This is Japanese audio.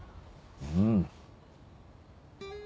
うん。